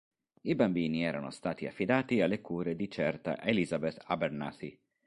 I bambini erano stati affidati alle cure di certa Elizabeth Abernathy.